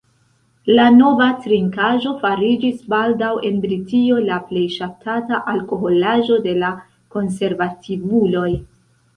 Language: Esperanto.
La nova trinkaĵo fariĝis baldaŭ en Britio la plej ŝatata alkoholaĵo de la konservativuloj.